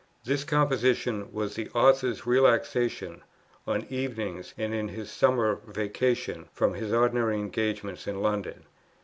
This composition was the author's relaxation, on evenings and in his summer vacations, from his ordinary engagements in London.